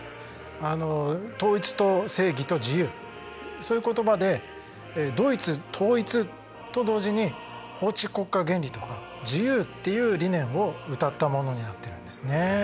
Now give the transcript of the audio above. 統一と正義と自由そういう言葉でドイツ統一と同時に法治国家原理とか自由っていう理念をうたったものになっているんですね。